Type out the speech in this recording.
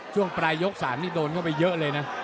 ช่วงปลายยก๓นี่โดนเข้าไปเยอะเลยนะ